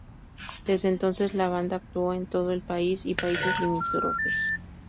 Desde entonces la banda actuó en todo el país y países limítrofes.